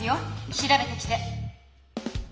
調べてきて！